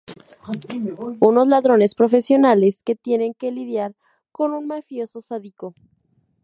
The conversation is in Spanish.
Unos ladrones profesionales que tienen que lidiar con un mafioso sádico.